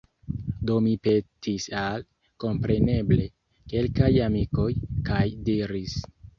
Do mi petis al, kompreneble, kelkaj amikoj, kaj diris: